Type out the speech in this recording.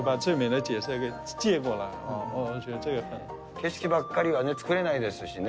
景色ばっかりはね、作れないですしね。